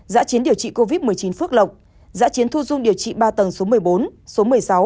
giã chiến điều trị covid một mươi chín phước lộc giã chiến thu dung điều trị ba tầng số một mươi bốn số một mươi sáu